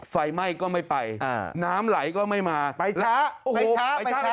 ไฟไหม้ก็ไม่ไปน้ำไหลก็ไม่มาไปช้าไปช้าไปช้า